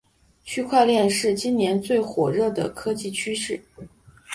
区块链是今年最火热的科技趋势了